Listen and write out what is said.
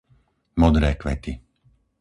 modré kvety